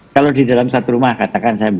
kalau di dalam satu rumah katakan